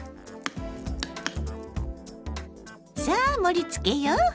さあ盛りつけよう！